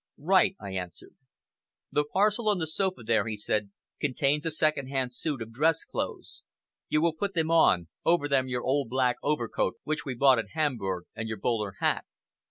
"Right," I answered. "The parcel on the sofa there," he said, "contains a second hand suit of dress clothes. You will put them on, over them your old black overcoat which we bought at Hamburg, and your bowler hat.